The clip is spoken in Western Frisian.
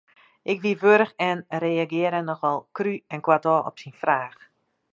Ik wie warch en ik reagearre nochal krú en koartôf op syn fraach.